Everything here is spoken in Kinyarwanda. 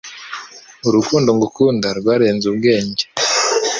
Urukundo ngukunda rwarenze ubwenge